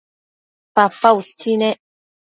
papa utsi nec